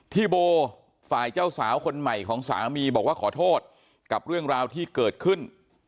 ที่โบฝ่ายเจ้าสาวคนใหม่ของสามีบอกว่าขอโทษกับเรื่องราวที่เกิดขึ้น